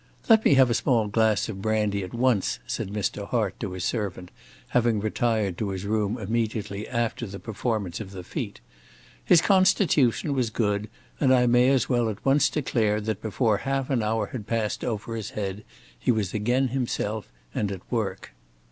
"Let me have a small glass of brandy at once," said Mr. Hart to his servant, having retired to his room immediately after the performance of the feat. His constitution was good, and I may as well at once declare that before half an hour had passed over his head he was again himself, and at his work.